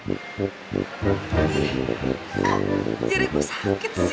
ih jadinya gue sakit sih